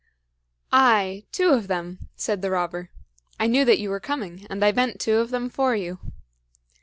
"Ay; two of them!" said the robber. "I knew that you were coming, and I bent two of them for you."